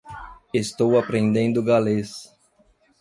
Estou aprendendo galês.